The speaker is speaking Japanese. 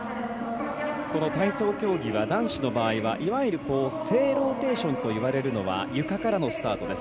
この体操競技は男子の場合はいわゆる正ローテーションといわれるのはゆかからのスタートです。